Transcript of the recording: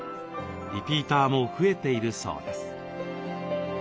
リピーターも増えているそうです。